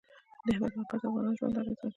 د هېواد مرکز د افغانانو ژوند اغېزمن کوي.